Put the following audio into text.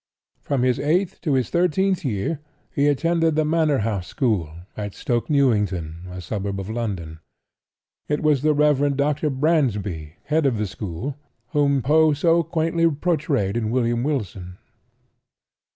From his eighth to his thirteenth year he attended the Manor House school, at Stoke Newington, a suburb of London. It was the Rev. Dr. Bransby, head of the school, whom Poe so quaintly portrayed in "William Wilson."